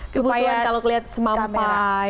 kebutuhan kalau kelihatan semampai